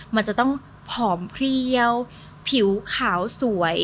มันจะต้องผอมเพลียวผิวขาวสวย